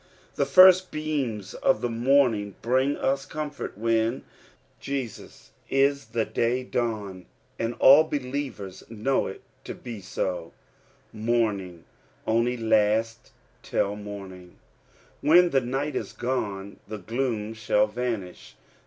The first beams of the morni bring us comfort when Jesus is the day dnwn, and all believers know it to be Houming only lasts till morning : when the night is gone the gloom shall vanish.